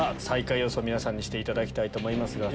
最下位予想皆さんにしていただきたいと思います。